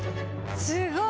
すごい！